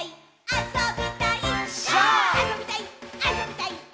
あそびたいっ！！」